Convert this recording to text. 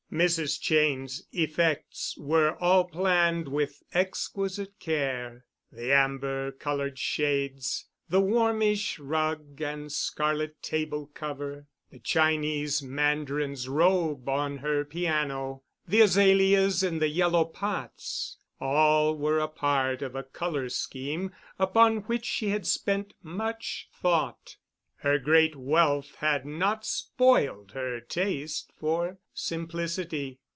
Mrs. Cheyne's effects were all planned with exquisite care; the amber colored shades, the warmish rug and scarlet table cover, the Chinese mandarin's robe on her piano, the azaleas in the yellow pots, all were a part of a color scheme upon which she had spent much thought. Her great wealth had not spoiled her taste for simplicity.